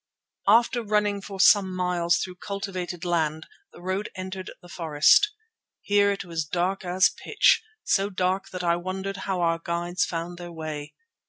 After running for some miles through the cultivated land the road entered the forest. Here it was dark as pitch, so dark that I wondered how our guides found their way.